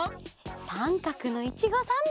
さんかくのいちごサンド！